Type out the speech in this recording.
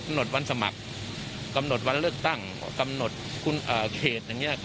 กำหนดวันสมัครกำหนดวันเลิกตั้งกำหนดเขต